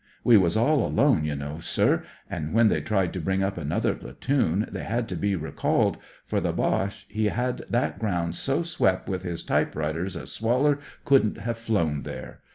We was all alcHie, you know, sir, an' when they tried to bring up another platoon they had to be recalled, for the Boche he had that groimd so swep' with his type writers a swaller couldn't have flown there.